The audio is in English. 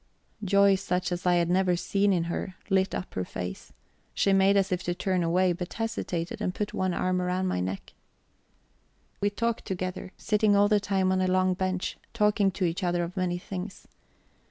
Joy such as I had never seen in her lit up her face; she made as if to turn away, but hesitated, and put one arm round my neck. We talked together, sitting all the time on a long bench, talking to each other of many things.